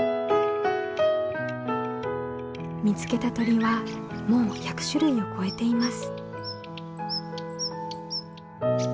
見つけた鳥はもう１００種類を超えています。